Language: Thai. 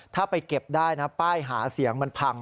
ถ้าไปเก็บได้นะป้ายหาเสียงมันพัง